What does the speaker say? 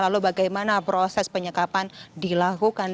lalu bagaimana proses penyekapan dilakukan